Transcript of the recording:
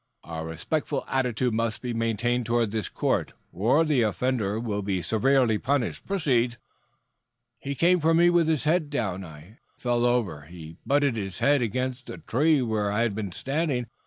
"A respectful attitude must be maintained toward this court, or the offender will be severely punished. Proceed." "He came for me with his head down. I fell over. He butted his head against the tree where I had been standing.